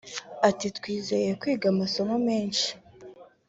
Ati “Twizeye kwiga amasomo menshi